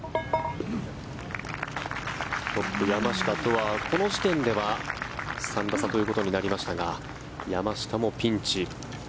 トップ、山下とはこの時点では３打差ということになりましたが山下もピンチ。